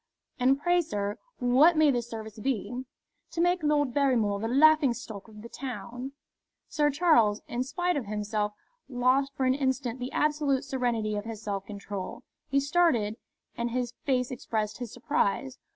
"And pray, sir, what may this service be?" "To make Lord Barrymore the laughing stock of the town." Sir Charles, in spite of himself, lost for an instant the absolute serenity of his self control. He started, and his face expressed his surprise.